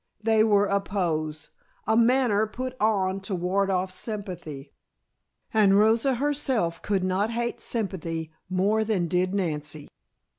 They were a pose, a manner put on to ward off sympathy. And Rosa herself could not hate sympathy more than did Nancy.